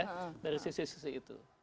dari sisi sisi itu